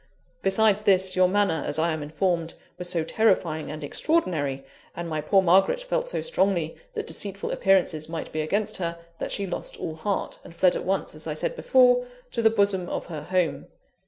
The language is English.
Besides this, your manner, as I am informed, was so terrifying and extraordinary, and my poor Margaret felt so strongly that deceitful appearances might be against her, that she lost all heart, and fled at once, as I said before, to the bosom of her home.